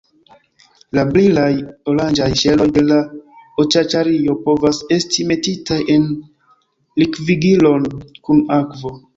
La brilaj oranĝaj ŝeloj de la aĉaĉario povas esti metitaj en likvigilon kun akvo.